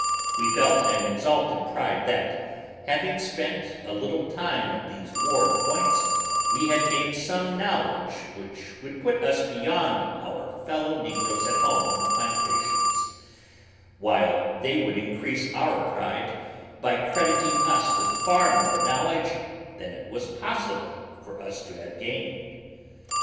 We felt an exalted pride that, having spent a little time at these war points, we had gained some knowledge which would put us beyond our fellow negroes at home on the plantations, while they would increase our pride by crediting us with far more knowledge than it was possible for us to have gained.